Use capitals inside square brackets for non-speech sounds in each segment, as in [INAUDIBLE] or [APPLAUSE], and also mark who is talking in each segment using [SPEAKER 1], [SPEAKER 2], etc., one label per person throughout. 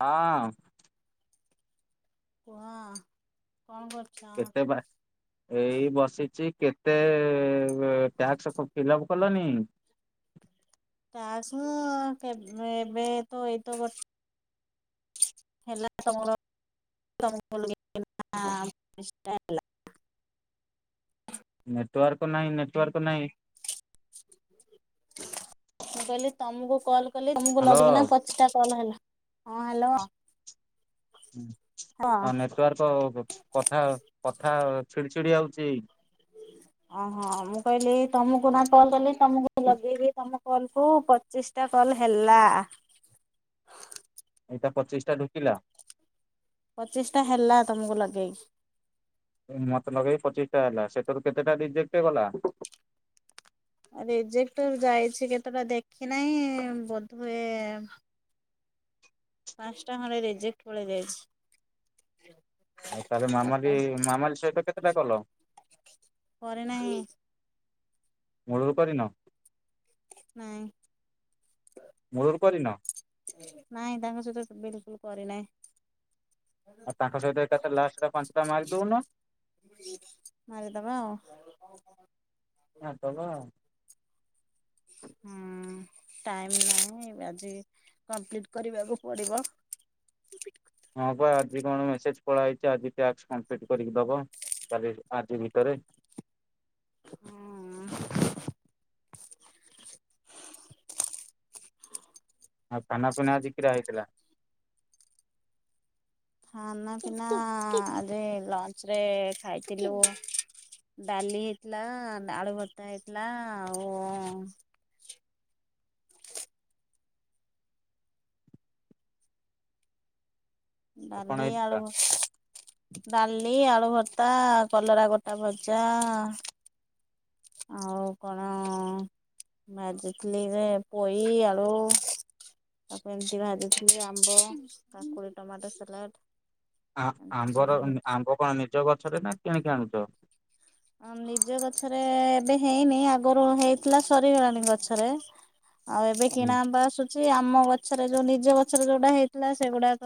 [SPEAKER 1] ହଁ।
[SPEAKER 2] କୁହ? କଣ କରୁଛ?
[SPEAKER 1] କେତେ ବା ଏଇ ବସିଛି। କେତେ ଟ୍ୟାକ୍ସ ଫିଲ୍ଅପ କଲନି?
[SPEAKER 2] ଟ୍ୟାକ୍ସ ମୋର ଏବେ ତ ଏଇତ ବସି ହେଲା ତମର ହେଲା। [UNINTELLIGIBLE]
[SPEAKER 1] ନେଟୱାର୍କ ନାହିଁ ନେଟୱାର୍କ ନାହିଁ।
[SPEAKER 2] କହିଲି ତମକୁ କଲ୍ କଲି ତମକୁ
[SPEAKER 1] ହ୍ୟାଲୋ।
[SPEAKER 2] ଲଗିଇକିନା ପଚିଟା କଲ ହେଲା। ହଁ ହ୍ୟାଲୋ। ହଁ
[SPEAKER 1] ଆଉ ନେଟୱାର୍କ କଥା କଥା ଛିଡି ଛିଡି ଆଉ। ସେ
[SPEAKER 2] ଓହୋ ମୁଁ କହିଲି ତମକୁ ନା ଫୋନ୍ କଲି ତମକୁ ଲଗେଇବି ତମକୁ କଲ କୁ ପଚିଶ ଟା କଲ ହେଲା।
[SPEAKER 1] ଏଇଟା ପଚିଶ ଟା ଢୁକିଲା।
[SPEAKER 2] ପଚିଶଟା ହେଲା ତମକୁ ଲଗେଇକି।
[SPEAKER 1] ମତେ ଲଗେଇକି ପଚିଶ ଟା ହେଲା ସେଠରୁ କେତେଟା ରିଜେକ୍ଟ ଗଲା?
[SPEAKER 2] ରେଜେକ୍ଟ ଯାଇଛି କେତେଟା ଦେଖି ନାହିଁ ବୋଧ ହୁଏ। ପାଞ୍ଚଟା ଘଣ୍ଡେ ରିଜେକ୍ଟ ପଳେ ଯାଇଛି।
[SPEAKER 1] ଆଉ ତାହଲେ ମାମାଲି
[SPEAKER 2] ଚାରିଟା।
[SPEAKER 1] ମାମାଲି ସହିତ କେତେଟା କଲ?
[SPEAKER 2] କରେ ନାଁହିଁ।
[SPEAKER 1] ମୁଳୁରୁ କରିିନ?
[SPEAKER 2] ନାଇଁ
[SPEAKER 1] ମୂଳରୁ କରିନ
[SPEAKER 2] ନାଇଁ ତାଙ୍କ ସହିତ ବିଲକୁଲ। କରିନାଇ।
[SPEAKER 1] ଆଉ ତାଙ୍କ ସହିତ କେତେ ଲାଷ୍ଟ ଟା ପାଞ୍ଚଟା ମାରି ଦଉନ।
[SPEAKER 2] ମାରିଦବା ଆଉ।
[SPEAKER 1] ମାରିଦେବା।
[SPEAKER 2] ହୁଁ ଟାଇମ୍ ନାହିଁ ଆଜି। କମ୍ପ୍ଲିଟ କରିବାକୁ ପଡିବ।
[SPEAKER 1] ହଁ ବା ଆଜି କଣ ମେସେଜ ପଳେଇଚି ଆଜି ଟ୍ୟାକ୍ସ କମ୍ପ୍ଲିଟ କରିକି ଦବ। କାଲି ଆଜି ଭିତରେ
[SPEAKER 2] ହଁ।
[SPEAKER 1] ଆଉ ଖାନା ପିନା ଆଜି କିରା ହେଇଥିଲା।
[SPEAKER 2] ଖାନା ପିନା ଆଜି ଲଞ୍ଚରେ ଖାଇଥିଲୁ ଡାଲି ହେଇଥିଲା, ଆଳୁ ଭତା ହେଇଥିଲା, ଆଉ
[SPEAKER 1] ଆଉ କଣ
[SPEAKER 2] ଡାଲି ଆଳୁ
[SPEAKER 1] ହେଇଥିଲା?
[SPEAKER 2] ଡାଲି ଆଳୁ ଭର୍ତ୍ତା କଲରା ଗୋଟା ଭଜା। ଆଉ କଣ? ଭାଜିଥିଲି ରେ ପୋଇ ଆଳୁ ତାପରେ ଏମିତି ଭାଜୁଥିଲ ଆମ୍ବ କାକୁଡି ଟମାଟୋ ସାଲାଡ।
[SPEAKER 1] ଆ
[SPEAKER 2] ଏମିତି
[SPEAKER 1] ଆମ୍ବର
[SPEAKER 2] ସବୁ
[SPEAKER 1] ଆମ୍ବ କଣ ନିଜ ଗଛରେ ନା କିଣିକି ଆଣୁଚ?
[SPEAKER 2] ଆ ନିଜ ଗଛରେ ଏବେ ହେଇନି ଆଗରୁ ହେଇଥିଲା ସରିଗଲାଣି ଗଛରେ। ଆଉ ଏବେ
[SPEAKER 1] ହୁଁ
[SPEAKER 2] କିଣା ଆସୁଚି ଆମ ଗଛରେ ଯୋଉ ନିଜ ଗଛରେ ଯୋଉଡା ହେଇଥିଲା ସେଗୁଡାକ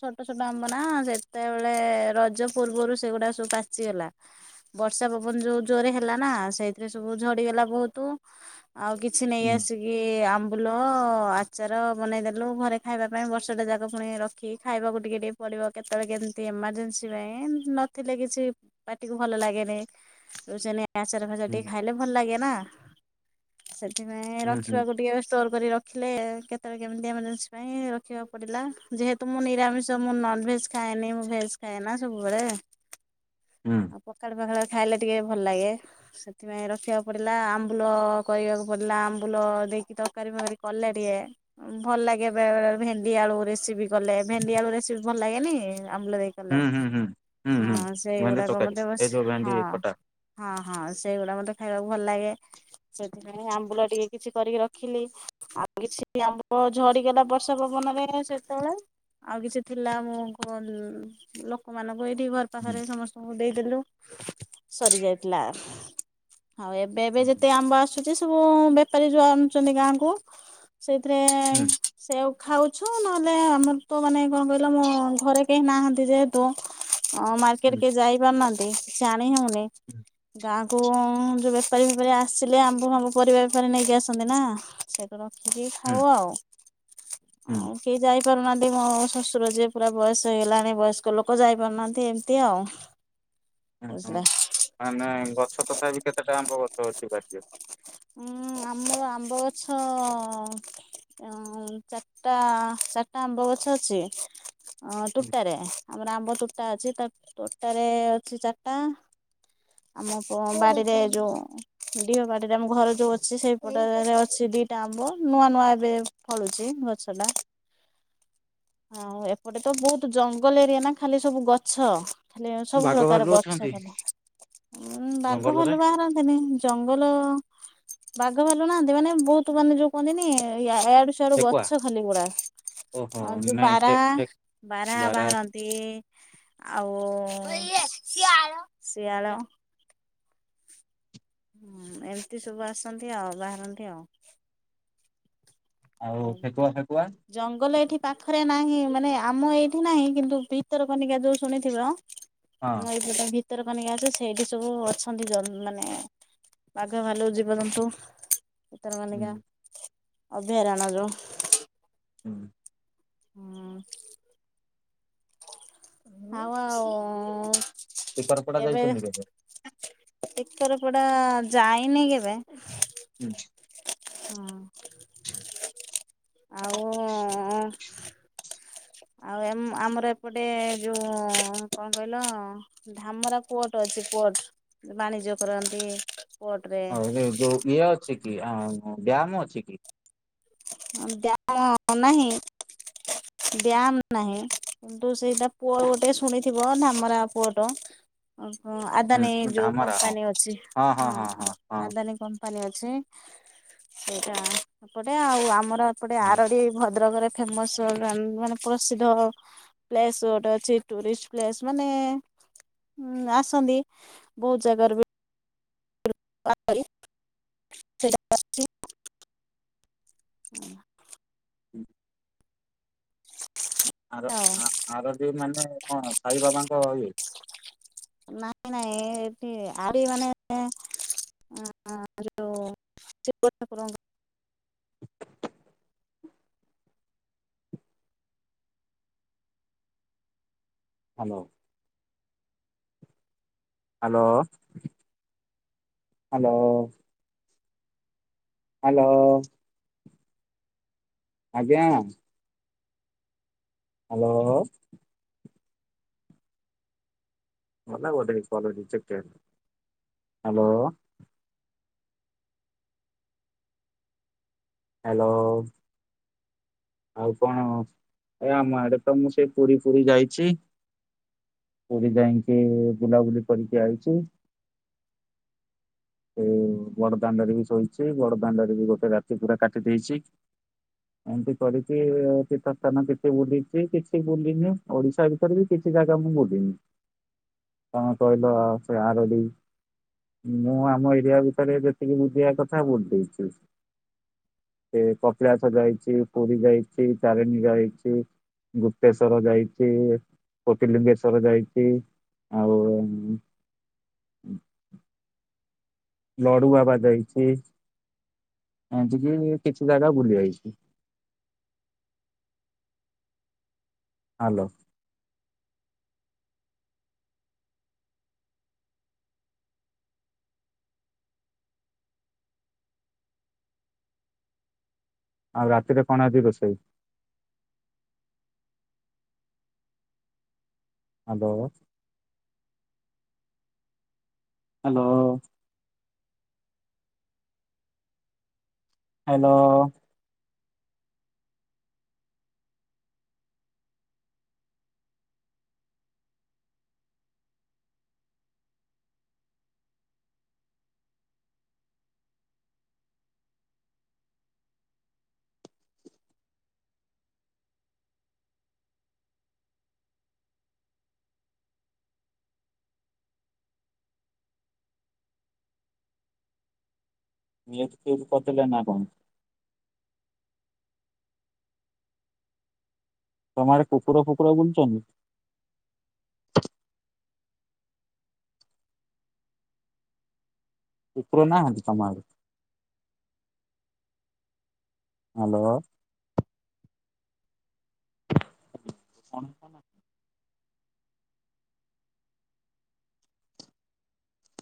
[SPEAKER 2] ଛୋଟ ଛୋଟ ଆମ୍ବନା ସେତେବେଳେ ରଜ ପୂର୍ବରୁ ସେଗୁଡା ସବୁ ପାଚିଗଲା। ବର୍ଷା ପବନ ଯୋଉ ଜୋରେ ହେଲା ନା ସେଇଥିରେ ସବୁ ଝଡିଗଲା ବୋହୁତ। ଆଉ କିଛି ନେଇ
[SPEAKER 1] ହୁଁ
[SPEAKER 2] ଆସିକି ଆମ୍ବୁଲ ଉ ଆଚାର ବନେଇଦେଲୁ ଘରେ ଖାଇବା ପାଇଁ ବର୍ଷଟା ଯାକ ପୁଣି ରଖିକି ଖାଇବାକୁ ଟିକେ ଟିକେ ପିବ କେତେବେଳେ କେମିତି। ଏମଜେନ୍ସି ପାଇଁ ନଥିଲେ କିଛି ପାଟିକୁ ଭଲ ଲାଗେନି। ଆଚାର ଭାଜା
[SPEAKER 1] ହୁଁ
[SPEAKER 2] ଟିକେ ଖାଇଲେ ଭଲ ଲାଗେନା। ସେଥିପାଇଁ
[SPEAKER 1] ହୁଁ ହୁଁ
[SPEAKER 2] ରଖିବାକୁ ଟିକେ ଷ୍ଟୋର କରି ର ରଖିଲେ କେତେବେଳେ କେମିତି ଏମର୍ଜେନ୍ସି ପାଇଁ ରଖିବାକୁ ପଡ଼ିଲା ଯେହେତୁ ମୁଁ ନିରାମିଷ ମୁଁ ନନ ଭେଜ୍ ଖାଇ ଖାଏନି ମୁଁ ଭେଜ ଖାଏ ସବୁବେଳେ।
[SPEAKER 1] ହୁଁ।
[SPEAKER 2] ପାଖଳାରେ ଖାଇଲେ ଟିକେ ଭଲ ଲାଗେ ସେଥିପାଇଁ ରଖିବାକୁ ପଡ଼ିଲା ଆମ୍ବୁଲ କରିବାହକୁ ପଡ଼ିଲା ଆମ୍ବୁଲ। ଦେଇକି ତରକାରୀ ଫୀ କଲେ ଟିକେ ଭଲ ଲାଗେ ବେ ଭେଣ୍ଡି ଆଳୁ ରେସିପି କଲେ ଭେ ଣ୍ଡି ଆଳୁ ରେସିପି ଭଲ ଲାଗେନି, ଆମ୍ବୁଲ ଦେଇ କଲେ
[SPEAKER 1] ହୁଁ ହୁଁ ହୁଁ ହୁଁ ହୁଁ
[SPEAKER 2] ହଁ
[SPEAKER 1] ଭେଣ୍ଡି
[SPEAKER 2] ସେଇଗୁଡାକ
[SPEAKER 1] ତରକାରୀ
[SPEAKER 2] ମତେ ବ
[SPEAKER 1] ଏ ଯୋଉ ଭେଣ୍ଡି
[SPEAKER 2] ହଁ
[SPEAKER 1] ଖଟା।
[SPEAKER 2] ହଁ ହଁ ସେଇଗୁଡା ମତେ ଖାଇବାକୁ ଭଲ ଲାଗେ। ସେଥିପାଇଁ ଆମ୍ବୁଲ ଟିକେ କିଛି କରିକି ରଖିଲି ଆଉ କିଛି ଆମ୍ବ ଝଡିଗଲା ବର୍ଷା ପବନ। ସେତେବେଳେ ଆଉ କିଛି ଥିଲା ମୁଁ ଲୋକମାନଙ୍କ ଏଠି ଘର
[SPEAKER 1] ହୁଁ
[SPEAKER 2] ପାଖରେ ସମସ୍ତଙ୍କୁ ଦେଇଦେଲୁ ସରି ଯାଇଥିଲା। ଆଉ ଏବେ ଏବେ
[SPEAKER 1] ହୁଁ
[SPEAKER 2] ଯେତେ ଆମ୍ବ ଆସୁଛି ସବୁ ବେପାରୀ ଯୋଉ ଆଣୁଛନ୍ତି ଗାଁ କୁ। ସେଇଥିରେ
[SPEAKER 1] ହୁଁ
[SPEAKER 2] ସେଓ। ଖାଉଚୁ ନହେଲେ ଆମର ତ ମାନେ କଣ କହିଲ ମୋ ଘରେ କେହି ନାହାନ୍ତି ଯେହେତୁ ହଁ ମାର୍କେଟ
[SPEAKER 1] ହୁଁ
[SPEAKER 2] କିଏ ଯାଇ ପାରୁନାହାନ୍ତି, କିଛି ଆଣି ହୋଉନି, ଗାଁ ଆମ୍ବ ଯେଉଁ ବେପାରୀ ଫେପାରୀ ଆସିଲେ ଆମ୍ବ ଫମ୍ବ ପରିବା ବେପାରୀ ନେଇକି ଆସନ୍ତି ନା ସେଗୁଡ଼ା
[SPEAKER 1] ହୁଁ ହୁଁ
[SPEAKER 2] କୁହ ଯାଇ ପାରୁନାହାନ୍ତି ମୋ ଶ୍ୱଶୁର ଯିଏ ପୁରା ବୟସ ହେଇଗଲାଣି ବୟସ୍କ ଲୋକ ଯାଇପାରୁନାହାନ୍ତି ଏମିତି ଆଉ।
[SPEAKER 1] ହୁଁ ହୁଁ
[SPEAKER 2] ବୁଝିଲେ
[SPEAKER 1] ମାନେ ଗଛ ତଥାପି କେତେ ଟଙ୍କା ଆମ୍ବ ଗଛ ଅଛି ବାର।
[SPEAKER 2] ଉଁ ଆମର ଆମ୍ବ ଗଛ ଚାରିଟା ଚାରିଟା ଆମ୍ବ ଗଛ ଅଛି, ଅ ଟୁଟାରେ ଆମର ଆମ୍ବ ତୋଟା ଅଛି ତୋଟଟାରେ ଅଛି ଚାରିଟା ଆମ ବାଡିରେ ଯୋଉଅ ବାଡିରେ ଆମ ଘର ଯୋଉ ଅଛି ସେଇପଟରେ ଅଛି ଦିଟା ଆମ୍ବ ନୂଆ ନୂଆ ଏବେ ଫଳୁଛି ଗଛଟା। ହଁ ଆଉ ଏପଟେ ତ ବହୁତ ଜଙ୍ଗଲ ଏରିଆ ନା ଖାଲି ସବୁ ଗଛ। ଖାଲି ସବୁ
[SPEAKER 1] ବାଘ
[SPEAKER 2] ପ୍ରକାର
[SPEAKER 1] ଭାଲୁ ଅଛନ୍ତି
[SPEAKER 2] ଗଛ ଗଲା ଉଁ ବାଘ
[SPEAKER 1] ଜଙ୍ଗଲରେ
[SPEAKER 2] ଭଲ ବାହାରନ୍ତିନି ଜଙ୍ଗଲ ବାଘ ଭାଲୁ ନାହାନ୍ତି ମାନେ ବହୁତ ମାନେ ଯୋଉ କହନ୍ତିନି ୟ ଏଆଡୁ ସଆଡୁ
[SPEAKER 1] ଠେକୁଆ
[SPEAKER 2] ଗଛ ଖାଲି ଗୁରା
[SPEAKER 1] ଓହୋ
[SPEAKER 2] ହଁ ଯୋଉ
[SPEAKER 1] ନାଇଁ
[SPEAKER 2] ବାରା
[SPEAKER 1] ଠେ ଠେ
[SPEAKER 2] ବାରା ବାହାରନ୍ତି ଆଉ। ଶିଆଳ ଶିଆଳ ହୁଁ ଏମିତି ସବୁ ଆସନ୍ତି ଆଉ ବାହାରନ୍ତି ଆଉ। ଆଉ
[SPEAKER 1] ଠେକୁଆ ଫେକୁଆ
[SPEAKER 2] ଜଙ୍ଗଲ ଏଠି ପାଖରେ ନାହିଁ ମାନେ ଆମ ଏଇଠି ନାହିଁ କିନ୍ତୁ ଭିତର କନିକା ଯୋଉ ଶୁଣିଥିବ
[SPEAKER 1] ହଁ
[SPEAKER 2] ଆମର ଏବେଟ ଭିତର କାନିକା ଅଛି ସେଇଠି ସବୁ ଅଛନ୍ତି ମାନେ ବାଘ ଭାଲୁ ଜୀବଜନ୍ତୁ ଭିତର ମାନିକା ଫେରାଣ ଯୋଉ
[SPEAKER 1] ହୁଁ।
[SPEAKER 2] ହଁ। ହାଉ ଆଉ ଉଁ।
[SPEAKER 1] ଶିଖରପଡା ଯାଇଛନ୍ତି କେବେ
[SPEAKER 2] ଏକଥର ପଡା ଯାଇନି କେବେ
[SPEAKER 1] ହୁଁ।
[SPEAKER 2] ହଁ। [INAUDIBLE] ଆଉ ଆଉ ଏ ଆମର ଏପଟେ ଯୋଉ କଣ କହିଲ ଧାମରା କୁଅଟ ଅଛି ଗୋ ବ୍ ବାଣିଜ୍ୟ କରନ୍ତି। ପୋର୍ଟରେ
[SPEAKER 1] ହିଁ ଯୋଉ ଇଏ ଅଛି କି ବ୍ୟାୟାମ ଅଛି କି?
[SPEAKER 2] ଆମ ଡ୍ୟାମ ନାହିଁ। ଡ୍ୟାୟାମ ନାହିଁ। କିନ୍ତୁ ସେଇଟା ପୁଅ ଗୋଟେ ଶୁଣିଥିବ ଧାମରା ପୁଅଟ ଆଦାନୀ
[SPEAKER 1] ହୁଁ
[SPEAKER 2] ଯୋଉ
[SPEAKER 1] ଧାମରା ହଁ
[SPEAKER 2] କମ୍ପାନୀ ଅଛି ହଁ ଆଦାନୀ କାମ ପାନ ଅଛି ସେଇଟା ଏପଟେ ଆଉ ଆମର ଏପଟେ
[SPEAKER 1] ଧାମ
[SPEAKER 2] ଆରଡି ଭଦ୍ରକରେ ଫେମସ ମାନେ ପ୍ରସିଦ୍ଧ ପ୍ଲେସ ଗୋଟେ ଅଛି ଟୁରିଷ୍ଟ ପ୍ଲେସ ମାନେ ହୁଁ ଆସନ୍ତି ବହୁତ ଜାଗାରୁ ବି ପରେ ସେ [UNINTELLIGIBLE] ହୁଁ।
[SPEAKER 1] ହୁଁ। ଆର ଆରଡି ମାନେ କଣ ସାଇ ବାବାଙ୍କ ଇ
[SPEAKER 2] ନାଇଁ ନାଇଁ ଏଠି ଆଡି ମାନେ ଆ ଯୋଉ ଶିବ ଠାକୁରଙ୍କ
[SPEAKER 1] ହାଲୋ। Hello hello. ହାଲୋ। ଆଜ୍ଞା। ହାଲୋ। ଗଲା ଗୋଟେ କଲ୍ ରିଜେକ୍ଟଟେଡ୍ ହାଲୋ। ହାଲୋ। ଆଉ କଣ ଏ ଆମ ଆଡେ ତ ମୁଁ ସେଇ ପୁରୀ ପୁରୀ ଯାଇଛି। ପୁରୀ ଯାଇକି ବୁଲାବୁଲି କରିକି ଆଇଚି। ଏ ବଡ ଦାଣ୍ଡରେ ବି ଶୋଇଛି ବଡ ଦାଣ୍ଡରେ ବି ଗୋଟେ ରାତି ପୁରା କାଟି ଦେଇେଇଛି। ଏମତି କରିକି ତୀର୍ଥସ୍ଥାନ କେତେ ବୁଲିଛି କିଛି ବୁଲିନି ଓଡିଶା ଭିତରେ ବି କିଛି ଜାଗା ମୁଁ ବୁଲିି। ତମେ କହିଲ ଆ ସେ ଆରବି ମୁଁ ଆମ ଏରିଆ ଭିତରେ ଯେତିକି ବୁଲିବା କଥା ବୁଲି ଦେଇଛି। ସେ କପିଳାସ ଯାାଇଛି ପୁରୀ ଯାଇଛି ତାରିଣୀ ଜାଇଛି। ଗୁପ୍ତେଶ୍ଵର ଯାଇଛି କୋତିଲିିଙ୍ଗେଶ୍ଵର ଯାଇଛି। ଆଉ ଲଡୁ ବାବା ଯାଇଛି। ଆ [UNINTELLIGIBLE] କିଛି ଜାଗା ବୁଲି ଯାଇଛି। ହ୍ୟାଲୋ। ଆଉ ରାତିରେ କଣ ଆଜି ରୋଷେଇ? ହ୍ୟାଲୋ। ହ୍ୟାଲୋ। ହ୍ୟାଲୋ। ମୁଟ୍ ଫୁଟ୍ କରିଥିଲେ ନା କଣ? ତମଆଡେ କୁକୁର ଫୁକୁର ବୁଲୁଛନ୍ତି? କୁକୁର ନାହାନ୍ତି ତମଆଡେ? ହ୍ୟାଲୋ। କଣ [INAUDIBLE]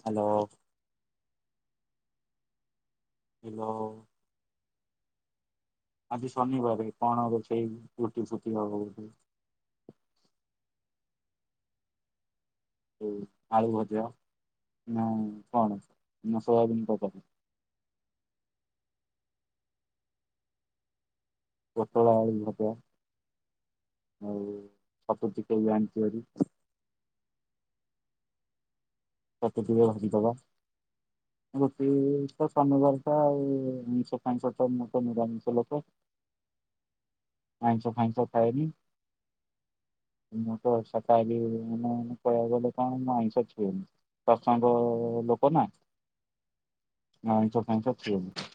[SPEAKER 1] ହ୍ୟାଲୋ। ହ୍ୟାଲୋ। ଆଜି ଶନିବାର କଣ ସେଇ ରୁଟି ଫୁଟି ହବ ବଧେ। ହ ଆଳୁ ଭଜା ନାଁ କଣ ନା ସୋୟାବିନ ତରକାରୀ। ପୋଟଳ, ଆଳୁ ଭଜା। ଆଉ ଛତୁ ଚିକେନ୍ ବି ଆଣିଥିବ ହେରି। [UNINTELLIGIBLE] ରୁଟି ତ ଶନିବାର ଟା ଆଉ [UNINTELLIGIBLE] ଆଇଁଷ ଫାଇଁଷ ଖାଇନି। ମୋତେ [UNINTELLIGIBLE] ମ କହିବାକୁ ବୋଲେ କଣ ମୁ ଆଇଁଷ ଛୁଏନି। ତା ସାଙ୍ଗ ଲୋକ ନା। ଆଇଁଷ ଫାଇଁଷ ଛୁଏନି।